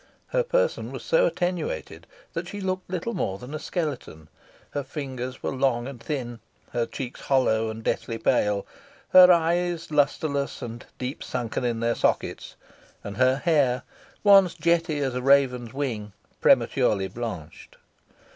Her person was so attenuated that she looked little more than a skeleton her fingers were long and thin her cheeks hollow and deathly pale her eyes lustreless and deep sunken in their sockets and her hair, once jetty as the raven's wing, prematurely blanched.